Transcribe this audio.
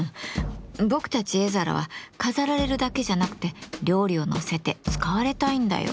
僕たち絵皿は飾られるだけじゃなくて料理をのせて使われたいんだよ。